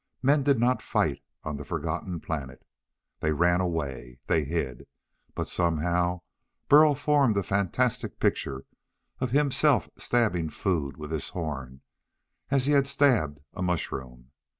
Men did not fight, on the forgotten planet. They ran away. They hid. But somehow Burl formed a fantastic picture of himself stabbing food with this horn, as he had stabbed a mushroom.